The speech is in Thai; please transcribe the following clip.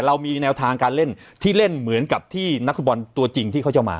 เรามีแนวทางการเล่นที่เล่นเหมือนกับที่นักฟุตบอลตัวจริงที่เขาจะมา